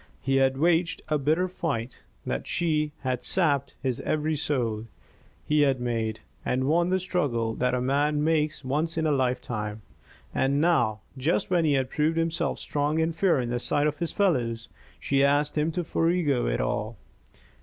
He had waged a bitter fight that had sapped his very soul, he had made and won the struggle that a man makes once in a lifetime, and now, just when he had proved himself strong and fair in the sight of his fellows, she asked him to forego it all.